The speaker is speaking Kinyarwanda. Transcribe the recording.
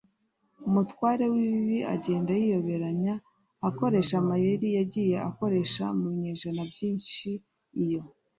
umutware w’ibibi agenda yiyoberanya akoresha amayeri yagiye akoresha mu binyejana byinshi iyo